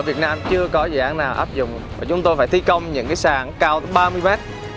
việt nam chưa có dự án nào áp dụng và chúng tôi phải thi công những cái sàn cao ba mươi mét